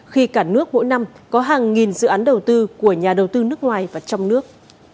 khi cả nước mỗi năm có hàng nghìn dự án đầu tư của nhà đầu tư nước ngoài và trong nước